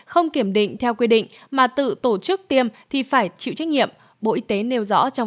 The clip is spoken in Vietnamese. không kiểm định theo quy định mà tự tổ chức tiêm thì phải chịu trách nhiệm bộ y tế nêu rõ trong